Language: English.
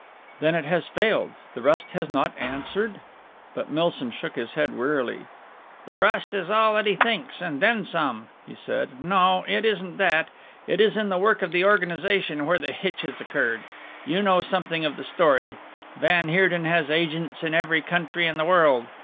"Then it has failed! The rust has not answered ?" But Milsom shook his head wearily. "The rust is all that he thinks and then some," he said. "No, it isn't that. It is in the work of organization where the hitch has occurred. You know something of the story. Van Heerden has agents in every country in the world.